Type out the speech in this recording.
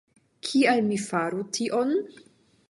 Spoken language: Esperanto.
Kial mi faru tion?